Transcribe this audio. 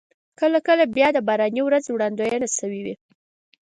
کله کله بیا د باراني ورځ وړاندوينه شوې وي.